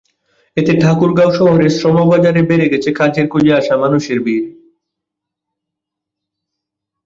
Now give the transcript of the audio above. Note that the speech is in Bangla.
এতে ঠাকুরগাঁও শহরের শ্রমবাজারে বেড়ে গেছে কাজের খোঁজে আসা মজুরের ভিড়।